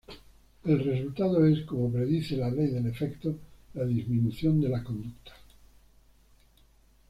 El resultado es, como predice la ley del efecto, la disminución de la conducta.